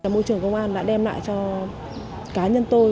môi trường công an đã đem lại cho cá nhân tôi